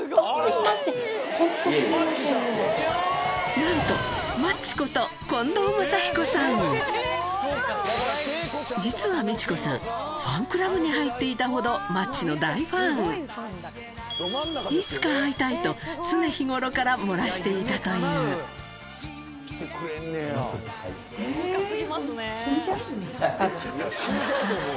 なんとマッチこと実は未知子さんファンクラブに入っていたほどいつか会いたいと常日頃から漏らしていたというホントに。